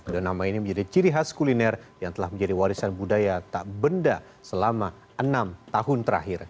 dan nama ini menjadi ciri khas kuliner yang telah menjadi warisan budaya tak benda selama enam tahun terakhir